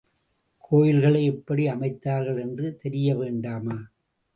கோயில்களை எப்படி அமைத்தார்கள் என்று தெரிய வேண்டாமா?